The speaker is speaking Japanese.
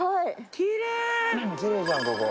きれいじゃんここ。